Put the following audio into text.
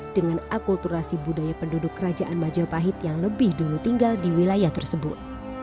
dengan akulturasi budaya penduduk kerajaan majapahit yang lebih dulu tinggal di wilayah tersebut